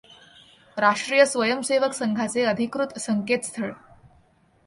राष्ट्रीय स्वयंसेवक संघाचे अधिकृत संकेतस्थळ